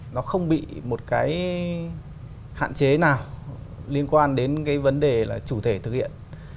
nó không bị một cái hạn chế nào liên quan đến cái vấn đề là chủ thể thực hiện